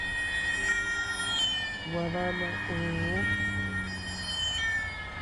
Gua damaa uu.